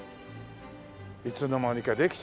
いつの間にかできちゃうんだよね。